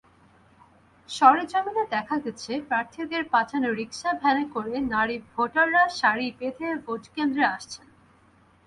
সরেজমিনে দেখা গেছে, প্রার্থীদের পাঠানো রিকশাভ্যানে করে নারী ভোটাররা সারি বেেঁধ ভোটকেন্দ্রে আসছেন।